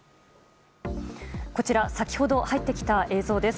こちら先ほど入ってきた映像です。